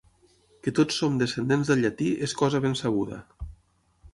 Que tots som descendents del Llatí és cosa ben sabuda.